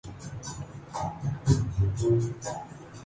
Opposition کو آگے بڑھ کر قومی اتفاق رائے کا ایجنڈا پیش کرنا چاہیے۔